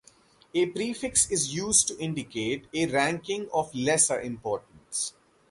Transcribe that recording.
A prefix is used to indicate a ranking of lesser importance.